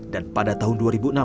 dan pada tahun dua ribu enam belas